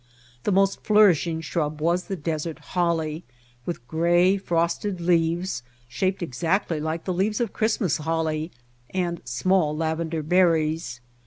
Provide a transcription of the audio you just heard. The most flourishing shrub was the desert holly with gray, frosted leaves shaped exactly like the leaves of Christmas holly, and small lavender berries.